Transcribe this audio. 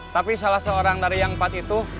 tapi salah seorang dari yang empat itu